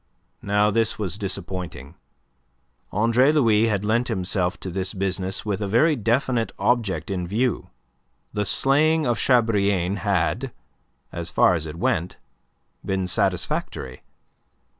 Now this was disappointing. Andre Louis had lent himself to this business with a very definite object in view. The slaying of Chabrillane had, as far as it went, been satisfactory.